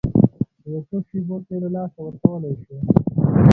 په یو څو شېبو کې یې له لاسه ورکولی شو.